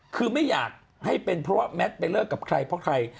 คือไม่อยากให้เป็นเพราะว่าแมทไปเลิกกับใครเพราะใคร